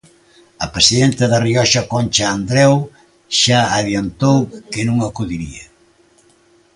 A presidenta da Rioxa, Concha Andreu, xa adiantou que non acudiría.